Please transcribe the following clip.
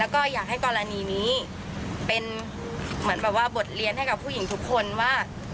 แล้วก็อยากให้กรณีนี้เป็นเหมือนแบบว่าบทเรียนให้กับผู้หญิงทุกคนว่า